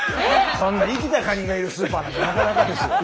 そんな生きたカニがいるスーパーなんてなかなかですよ。